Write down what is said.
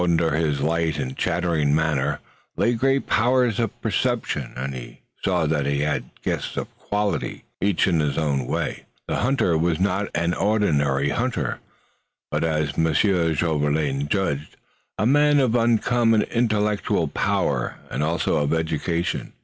Under his light and chattering manner lay great powers of perception, and he saw that he had guests of quality, each in his own way. The hunter even was not an ordinary hunter, but, as Monsieur Jolivet judged, a man of uncommon intellectual power, and also of education.